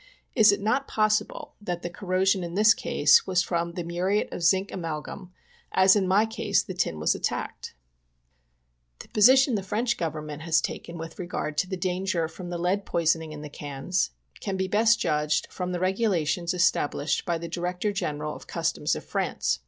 Is it not pos sible that the corrosion in this case was from the muriate of zinc amalgum, as in my case the tin was attacked ?" 6Q POISONING BY CANNED GOODS. The position the French Government has taken with^regard to the danger from the lead poisoning in the cans, can be best judged from the regulations established by the Director General of Customs of France.